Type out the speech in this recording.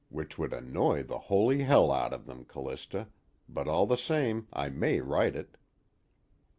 Which would annoy the holy hell out of them, Callista, but all the same I may write it.